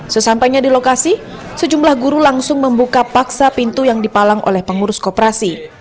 sesampainya di lokasi sejumlah guru langsung membuka paksa pintu yang dipalang oleh pengurus kooperasi